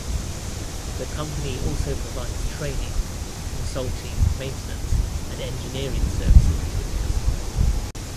The company also provides training, consulting, maintenance and engineering services to its customers.